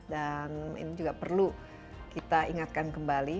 dan ini juga perlu kita ingatkan kembali